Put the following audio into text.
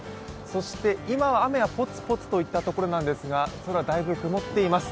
そして今雨はぽつぽつといったところなんですが空、だいぶ曇っています。